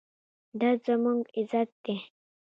دا زموږ عزت دی